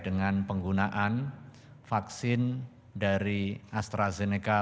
dengan penggunaan vaksin dari astrazeneca